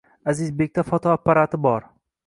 Azizbekda fotoapparati bor